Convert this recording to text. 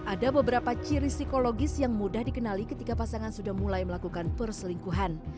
ada beberapa ciri psikologis yang mudah dikenali ketika pasangan sudah mulai melakukan perselingkuhan